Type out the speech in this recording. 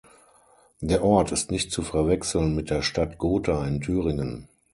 Der Ort ist nicht zu verwechseln mit der Stadt Gotha in Thüringen.